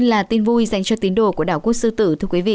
nguy cơ lây lan tiềm vui dành cho tín đồ của đảo quốc sư tử